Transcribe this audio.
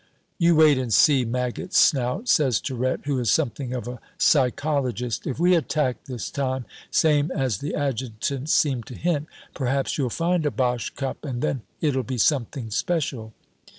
"You wait and see, maggot snout," says Tirette, who is something of a psychologist. "If we attack this time, same as the adjutant seemed to hint, perhaps you'll find a Boche cup, and then it'll be something special!"